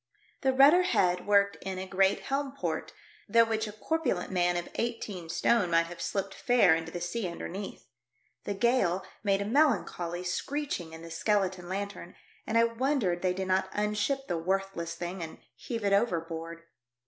The rudder head worked in a great helm port, through which a corpulent man of eighteen stone might have slipped fair into the sea underneath. The gale made a melancholy screeching in the skeleton lanthorn, and I wondered they did not unship the worthless thinsf and heave it overboard.